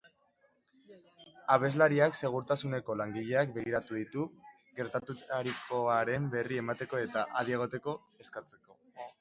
Abeslariak segurtasuneko langileak begiratu ditu gertatutakoaren berri emateko eta adi egoteko eskatzeko.